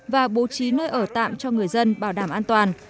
và bố trí nơi ở tạm cho người dân bảo đảm an toàn